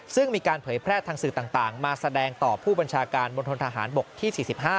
ซึ่งมีการเผยแพร่ทางสื่อต่างมาแสดงต่อผู้บัญชาการบนทนทหารบกที่๔๕